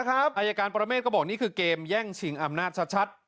อายการประเมฆก็บอกนี่คือเกมแย่งชิงอำนาจชัด